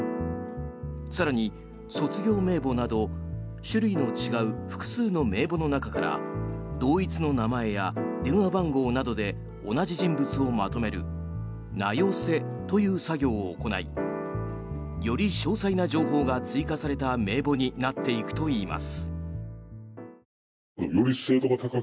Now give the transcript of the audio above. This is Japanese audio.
更に、卒業名簿など種類の違う複数の名簿の中から同一の名前や電話番号の同じ人物をまとめる名寄せという作業を行いより詳細な情報が追加された名簿になっていくといいます。